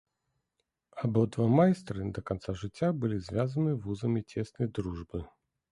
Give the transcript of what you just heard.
Абодва майстры да канца жыцця былі звязаны вузамі цеснай дружбы.